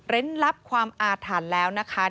ลับความอาถรรพ์แล้วนะคะ